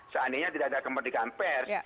seandainya tidak ada kemerdekaan pers